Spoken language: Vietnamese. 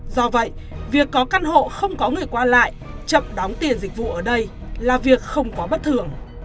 do vậy việc có căn hộ không có người qua lại chậm đóng tiền gì đó